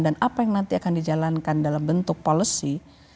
dan apa yang nanti akan dijalankan dalam bentuk policy